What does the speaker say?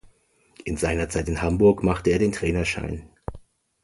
In seiner Zeit in Hamburg machte er den Trainerschein.